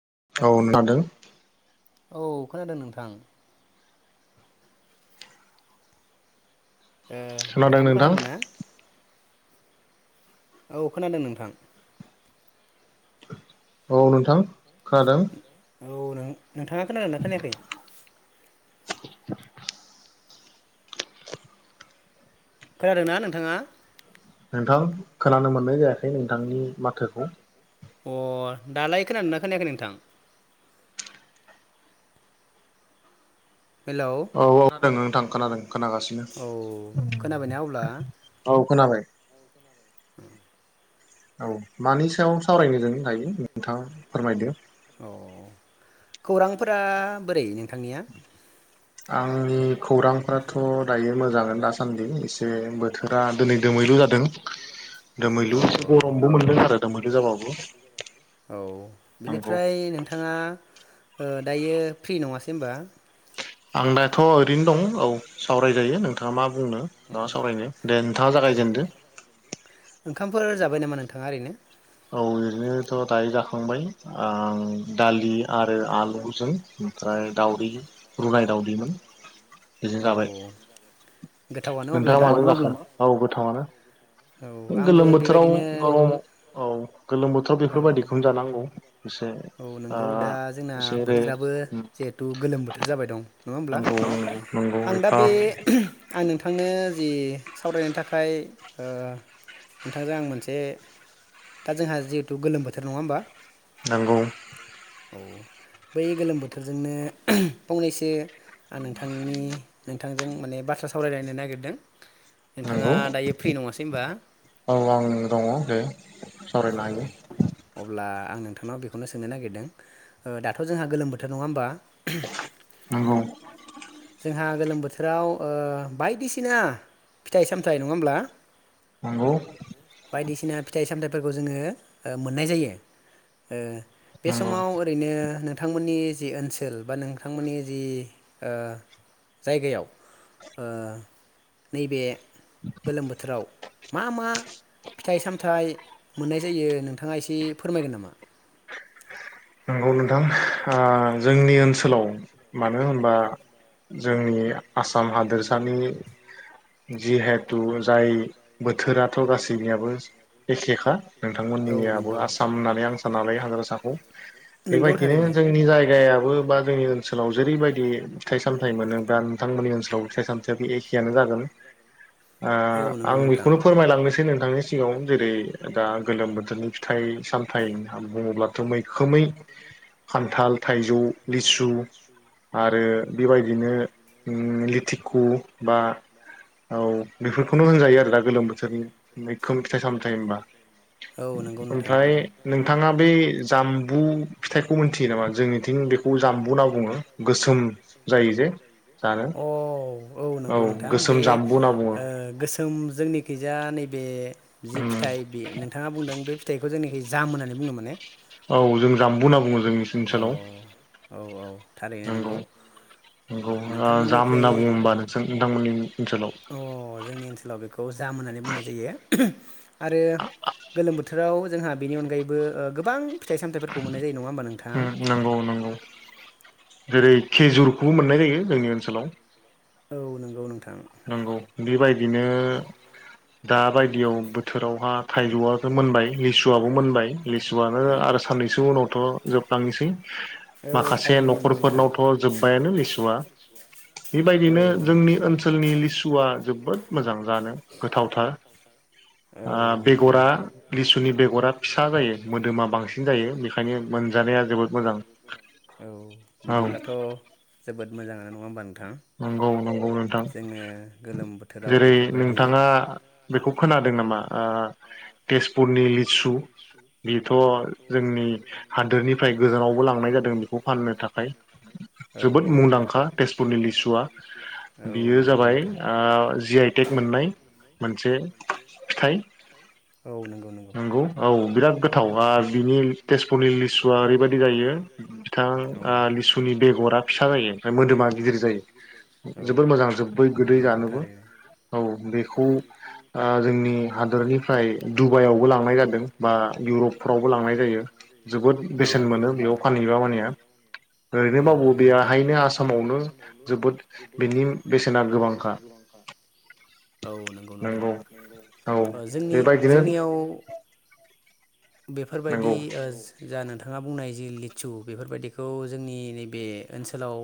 औ [unintelligible] औ खोनादों नोंथां ओ नोंथाङाबो खोनादों ना? औ खोनादों नोंथां औ नोंथां खोनादों औ नों नोंथाङा खोनादोंना खोनायाखै? [unintelligible] खोनादों ना नोंथाङा? नोंथां खोनानो मोननाय जायाखै नोंथांनि माथोखौ अ दालाय खोनादोंना खोनायाखै नोंथां? औ औ खोनादों नोंथां खोनादों खोनागासिनो औ खोनाबाय औ मानि सायाव सावरायनो जों लायो नोंथाङा फोरमायदो? औ खौरांफोरा बोरै नों थांनिया? आंनि खौरांफ्राथ' दायो मोजां दासान्दि एसे बोथोरा दिनै दोमैलु जादों दोमैलु गरमबो मोनदों आरो दोमैलु जाबाबो। [unintelligible] औ बिनिफ्राय नोंथाङा ओ दायो फ्रि नङासै होमबा? आं दाथ' ओरैनो दं औ सावरायजायो नोंथाङा मा बुंनो ओ सावरायनो दे नोंथाङा जागायजेनदो ओंखामफोर जाबाय नामा नोंथाङा ओरैनो? औ ओरैनोथ' दायो जाखांबाय आं दालि आरो आलुजों ओमफ्राय दावदै रुनाय दावदैमोन औ नोंथाङा माजों जाखो औ गोथावानो गोलोम बोथोराव गरम औ औ औ औ नंगौ दा जोंना बोथोराबो जिहेथु गोलोम बोथोर जाबाय दं नङा होमब्ला आं दा बे आं नोंथांनो जि सावरायनो थाखाय ओ नोंथांजों आं मोनसे दा जोंहा जे थु गोलोम बोथोर नङा होमबा? नोंगौ औ बै गोलोम बोथोरजोंनो फंनैसो आं नोंथांनि नोंथांजों माने बाथ्रा सावरायलायनो नागिरदों। नंगौ औ आं दङ दे। औ अब्ला आं नोंथांनाव बेखौनो सोंनो नागिरदों ओ दाथ' जोंहा गोलोम बोथोर नङा होमबा? नंगौ। जोंहा गोलोम बोथोराव ओ बायदिसिना फिथाइ सामथाइ नङा होमब्ला? बायदिसिना फिथाइ सामथाइ फोरखौ जोङो ओ मोननाय जायो ओ। बे समाव ओरैनो होनो थांमोननि जि ओनसोल बा नोंथांमोननि जि ओ जायगायाव ओ नैबे गोलोम बोथोराव मा मा फिथाइ सामथाइ मोननाय जायो नोंथाङा एसे फोरमायगोन नामा? नंगौ नोंथां आ जोंनि ओनसोलाव मानो होनबा जोंनि आसाम हादोरसानि जिहेथु जाय बोथोराथ' गासैनियाबो एखेखा। नोंथांमोननियाबो आसाम होननानै आं होननानै हाग्रासाखौ बेबायदिनो जोंनि जायगायाबो बा जोंनि ओनसोलाव जेरैबायदि फिथाइ सामथायाइ मोनोबा नोंथांमोननि ओनसोलाव फिथाइ सामथायाबो एखेयानो जागोन। ओ आं बेखौनो फोरमायलांनोसै नोंथांनि सिगाङाव जेरै दा गोलोम बोथोरनि फिथाइ सामथायाइ होनोब्लाथ' मै रोखोमै खान्थाल थाइजौ लिसु आरो बेबायदिनो लिथिखु बा औ बेफोरखौनो होनजायो आरो दा गोलोम बोथोरनि मैखोम फिथाइ सामथाइ होनोमबा। ओमफ्राय नोंथाङा बे जाम्बु फिथाइखौ मोन्थियो नामा जोंनिथिं बेखौ जाम्बु होनना बुङो? अ औ नंगौ नोंथां बे ओ गोसोम जोंनिखैजा नै बे जि फिथाइ बे नोंथाङा बुंदों बे फिथाइखौ जोंनिखै जाम होननानै बुङो माने। औ जों जाम्बु होनना बुङो। औ औ औ थारैनो नंगौ। नोंथांमोननिख्रुइ औ औ जोंनि ओनसोलाव बेखौ जाम होननानै बुंनाय जायो। आरो गोलोम बोथोराव जोंहा बेनि अनगायैबो गोबां फिथाइ सामथायफोरखौ मोननाय जायो नङा होमबा उम नंगौ नंगौ। जेरै खेजुरखौबो मोननाय जायो जोंनि ओनसोलाव। औ नंगौ नोंथां। नंगौ बेबायदिनो दाबायदियाव बोथोरावहा थाइजौआबो मोनबाय लिसुआबो मोनबाय। लिसुआनो आरो साननैसो उनाव [unintelligible] ' जोबलांनोसै माखासे न'खरफोरनावथ' जोब्बायानो लिसुआ बेबायदिनो जोंनि ओनसोलाव नि लिसुआ जोबोद मोजां जानो गोथावथार ओ बेगरा लिसुनि बेगरा फिसा जायो मोदोमा बांसिन जायो बेनिखायनो मोनजानाया जोबोद मोजां औ [unintelligible] थां जोङो गोलोम बोथोराव बे नोंथाङा बेखौ खोनादों नामा आ तेजपुरनि लिसु बेथ' जोंनि हादोरनिफ्राय गोजानावबो लांनाय जादों बेखौ फाननो थाखाय जोबोद मुंदांखा तेजपुरनि लिसु। बियो जाबाय आ जि आइटि मोननाय मोनसे फिथाइ नंगौ औ बिराद गोथाव बिनि तेजपुरनि लिसुआ ओरैबायादि जायो बिथां लिसुनि बेगरा फिसा जायो ओमफ्राय मोदोमा गिदिर जायो जोबोर मोजां जोबोर गोदै जानोबो। औ बेखौ ओ जोंनि हादोरनिफ्राय डुबाइयावबो लांनाय जादों बा इउरपफ्रावबो लांनाय जायो जोबोद बेसेन मोनो बेयाव फानहैबा मानिया ओरैनो मावो बेहायनो आसामावनो जोबोद बेनि बेसेना गोबांखा। औ नोंगौ नोंथां जोंनि जोंनियाव बेफोरबायदि जानो था नोंथाङा बुंनाय जि लिचु बेफोरबायदिखौ जोंनि नैबे ओनसोलाव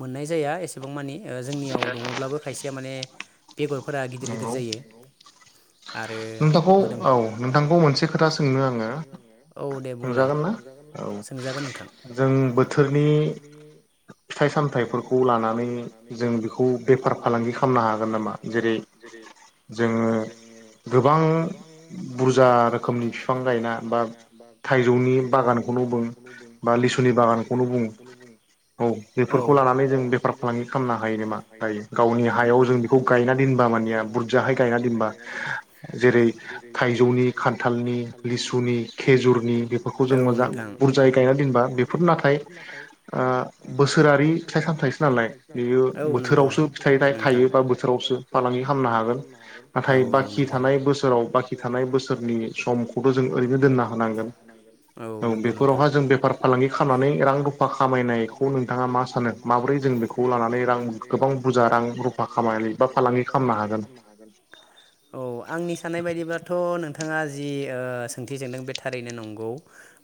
मोननाय जाया एसेबां मानि ओ जोंनियाव दङब्लाबो खायसेया माने बेगरफोरा गिदिर गिदिर जायो। आरो मोदोम औ दे बुंलाय--सोंजागोन नोंथां नामा जेरै जोङो गोबां बुरजा रोखोमनि फिफां गायना बा थाइजौनि बागानखौनो बुं बा लिसुनि बागानखोनो बुं औ बेफोरखौ लानानै जों बेफार फालांगि खामनो हायो नामा दायो गावनि हायाव जों खौ गायना दोनबा मानिया बुरजाहाय गायना दोनबा जेरै थाइजौनि खान्थालनि लिसुनि खेजुरनि बेफोरखौ जों मोजां बुरजायै गायना दोनबा बेफोर नाथाय ओ बोसोरारि फिथाइ सामथायाइसो नालाय बेयो बोथोरावसो फिथाइ थायो बा बो बोथोरावसो फालांगि खामनो हागोन नाथाय बाखि औ नोंगौ नोंथां। औ। आंनि साननाय बायदिब्लाथ' नों नोंथाङा जि ओ सोंथि सोंदों बे थारैनो नोंगौ,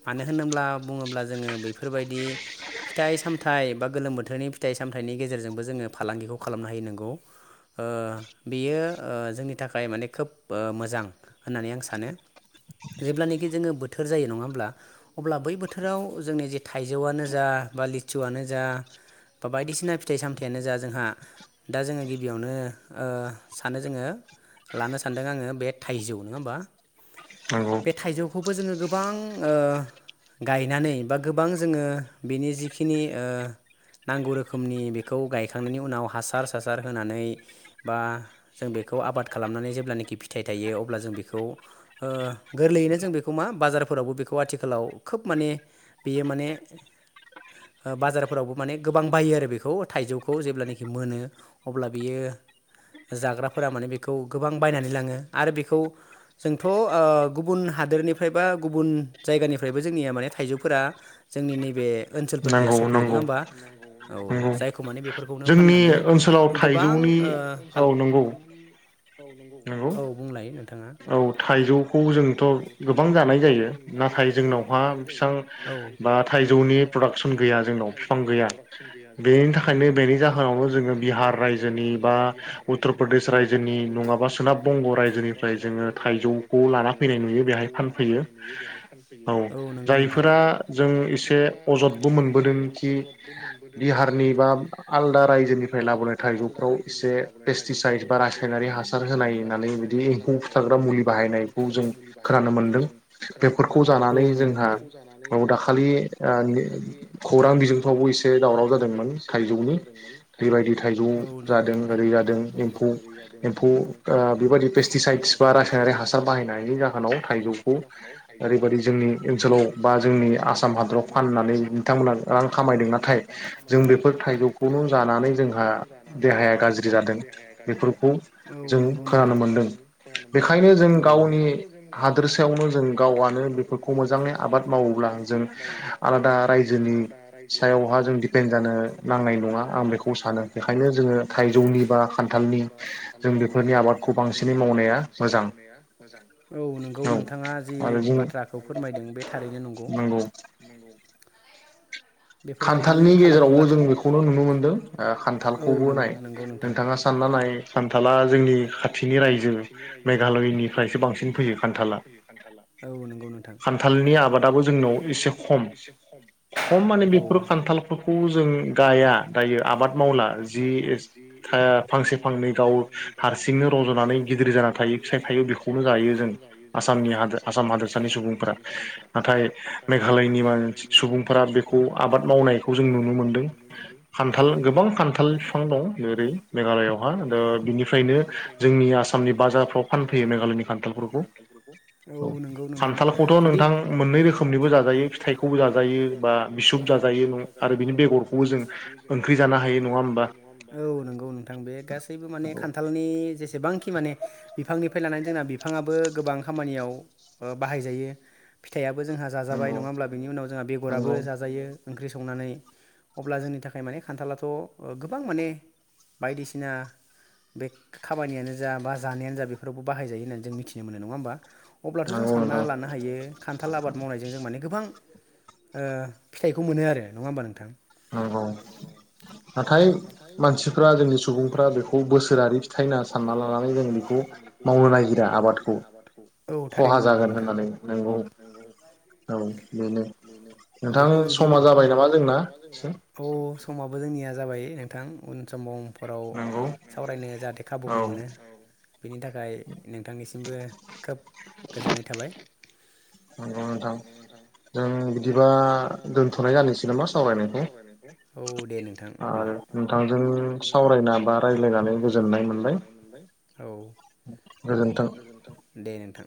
मानो होनोब्ला बुङोब्ला जोङो बेैफोरबायदि फिथाइ सामथाइ बा गोलोम बोथोरनि फिथाइ सामथायाइनि गेजेरजोंबो जोङो फालांगिखौ खालामना हायो नोंगौ। ओ बेयो ओ जोंनि थाखाय माने खोब ओ मोजां, होननानै आं सानो जेब्लानोखि जोङो बोथोर जायो नङा होमब्ला अब्ला बै बोथोराव जोंनि जे थाइजौआनो जा बा लिचुआनो जा बा बायदिसिना फिथाइ सामथायाइयानो जा जोंहा दा जोङो गि बियावनो ओ सानो जोङो लानो सानदों आङो बे थाइजौ नोङा होमबा बे थाइजौखौ बो जोङो गोबां ओ गायनानै बा गोबां जोङो बेनि जिखिनि ओ नांगौ रोखोमनि बेखौ गायखांनायनि उनाव हासार सासार होनानै बा जों बेखौ आबाद खालामनानै, जेब्लानाखि फिथाइ थायो अब्ला जों बेखौ ओ गोरलैयैनो जों बेखौ मा बाजारफोरावबो बेखौ, आथिखालाव खोब माने बेयो माने बाजारफोरावबो माने गोबां बायो आरो बेखौ थाइजौखौ जेब्लानोखि मोनो अब्ला बियो जाग्राफोरा माने बेखौ गोबां बायनानै लाङो आरो बेखौ जोंथ' ओ गुबुन हादोरनिफ्राय बा गुबुन जायगानिफ्रायबो जोंनिया माने थाइजौफोरा जोंनि नैबे ओनसोलफोरखैया सफैयो नङा होमबा? औ जायखो माने बे जोंनि ओनसोलाव गोबां ओ फाल औ बुंलाय नोंथाङा? औ थाइजौखौ जोंथ' गोबां जानाय जायो। नाथाय जोंनावहा फिसां बा थाइजौनि प्रडाक्सन गैया जोंनाव फिफां गैया बेनि थाखायनो बेनि जाहोनावनो जोङो बेखायनो बेनि जाहोनावनो जोङो बिहार रायजोनि बा उत्तर प्रदेश रायजोनि नङाबा फ्राय जोङो थाइजौखौ लाना फैनाय नुयो बेहाय फानफैयो। औ जायफोरा जों एसे अजदबो मोनबोदों खि बिहारनि बा आलदा रायजोनिफ्राय लाबोनाय थाइजौफ्राव एसे पेस्टिसाइद बा रासायनारि हासार होनाय होननानै बिदि मुलि बाहायनायखौ जों खोनानो मोनदों। बेफोरखौ जानानै जोंहा दाखालि खौरां बिजोंफ्रावबो एसे दावराव जादोंमोन थाइजौनि बेबायदि। जादों ओरै जादों एमफौ एमफौ बेबादि। बा रासायनारि हासार बाहायनायनि जाहोनाव थाइजौखौ ओरैबायदि जोंनि ओनसोलाव बा जोंनि आसाम हादराव फाननानै बिथांमोना रां खामायदों नाथाय जों बेफोर थाइजौखौनो जानानै जों जानानै जोंहा देहाया गाज्रि जादों औ नंगौ नोंथां। बेखायनो जों गावनि हादोरसायावनो जों गावआनो बेफोरखौ मोजाङै आबाद मावोब्ला जों आलादा रायजोनि सायावहा जों दिपेन्ड जानो नांनाय नङा आं बेखौ सानो। बेखायनो जोङो थाइजौनि बा खान्थालनि जों बेफोरनि आबादखौ बांसिन मोजां औ नंगौ नोंथाङा जि बाथ्राखौ फोरमायदों बे थारैनो नंगौ। खान्थालनि गेजेरावबो जों बेखौनो नुनो मोनदों खान्थाल। औ न नंगौ नोंथां नोंथाङा सानना नाय खान्थाला जोंनि खाथिनि रायजो मेघालयनिफ्रायसो बांसिन फैयो खान्थाला। औ नंगौ नोंथां खान्थालनि आबादाबो जोंनाव एसे खम बे औ। खान्थालफोरखौ जों गाया दायो आबाद मावला। जि फांसे फांनै गाव हारसिंनो रज'नानै गिदिर जानानानै थायो फिथाय थायो बेखौनो जायो जों, आसामनि आसाम हादोरसानि सुबुंफोरा नाथाय मेघालयनि मानसि सुबुंफोरा बेखौ आबाद मावनायखौ जों नुनो मोनदों खान्थाल गोबां खान्थाल गोबां खान्थाल बिफां दं एरै मेघालयआवहाय बिनिफ्रायनो जोंनि आसामनि बाजारफ्राव फानफैयो मेघालयनि खान्थालफोरखौ औ नोंगौ नोंथां जुदि खान्थालखौथ' नोंथां मोननै रोखोमनिबो जाजायो फिथाइखौबो जायो सुब जायो न आरो बेनि बेखौबो जों ओंख्रि ओंख्रि जानो हायो नङा होमबा नोंथां औ नंगौ नोंथां बे गासै गासैबो माने खान्थालनि जेसे जसेबांखि माने बिफांनिफ्राय लानानै जोंना बिफाङाबो गोबां खामानियाव बाहायजायो फिथाइआ जोंहा जाजाबाय नङा होमब्ला बिनि उनाव जोंहा बेगराबो जाजायो ओंख्रि संनानै अब्ला जोंनि थाखाय माने खान्थाला थ' गोबां माने बायदिसिना बे खामानियानो जा बा जानायानो जा बेफोरावबो बाहाय जायो होननानै जों मिथिनो मोनो नङा होमबा अब्लाथ' जों सानना लानो हायो खान्थाल आबाद मावनायजों जों माने गोबां ओ फिथाइखौ मोनो आरो नङा होमबा नोंथां नाथाय मानसिफ्रा जोंनि सुबुंफ्रा बेखौ बोसोरारि थिखाइना सानना लानानै जों बेखौ मावनो नागिरा आबादखौ औ थारैनो नोंगौ नोंथाङा जागोन होननानै नगौ बेनो बेखौ जुदि समा जाबाय नामा जों औ समाव जोंनिया जाबाय नोंथां उन समाव फोराव सावरायनो जाहाथे खाबुखौ मोनो। बिनि थाखाय नोंथांनिसिमबो खोब गोजोननाय थाबाय। नंगौ नोंथां जों बिदिबा दोनथ'नाय जानोसै नामा सावरायनायखो औ। दे नोंथां अब्ला। नोंथांजों सावरायना बा रायज्लायनानै गोजोननाय मोनबाय। औ। गोजोनथों दे नोंथां।